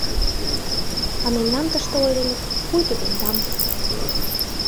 А мемнан тыште ойленыт, пуйто тендам...